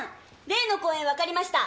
例の公園わかりました！